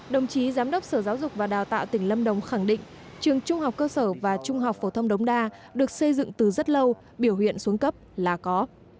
đồng chí giám đốc sở giáo dục và đào tạo tỉnh lâm đồng khẳng định trường trung học cơ sở và trung học phổ thông đống đa được xây dựng từ rất lâu biểu hiện xuống cấp là có